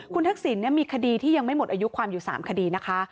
คุณทักษิณมีคดีที่ยังไม่หมดอายุความอยู่๓คดีนะคะ